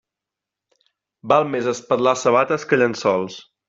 Val més espatlar sabates que llençols.